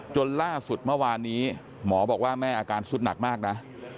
จนล่าสุดเมื่อวานนี้หมอบอกว่าแม่อาการสุดหนักมากนะ